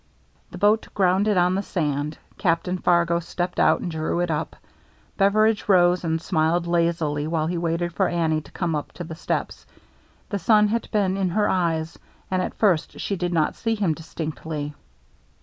The boat grounded on the sand. Captain Fargo stepped out and drew it up. Beveridge 4o8 THE MERRY ANNE rose and smiled lazily while he waited for Annie to come up to the steps. The sun had been in her eyes, and at first she did not see him distinctly.